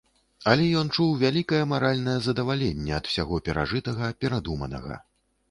Але ён чуў вялікае маральнае задаваленне ад усяго перажытага, перадуманага.